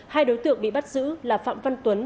hai đối tượng bị bắt giữ là phạm văn tuấn